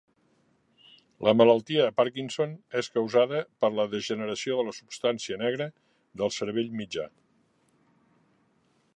La malaltia de Parkinson és causada per la degeneració de la substància negra del cervell mitjà.